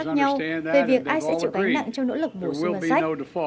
tôi không muốn tầm nhìn nhau về việc ai sẽ chịu gánh nặng trong nỗ lực mùa xuân ngân sách